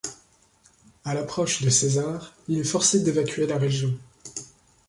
À l'approche de César, il est forcé d'évacuer la région.